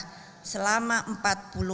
mampu melewati berbagai ujian sejarah